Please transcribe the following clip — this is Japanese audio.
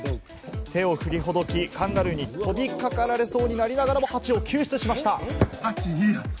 手をふりほどき、カンガルーに飛びかかられそうになりながらも、ハチを救出しました。